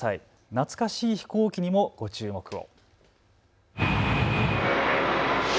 懐かしい飛行機にもご注目を。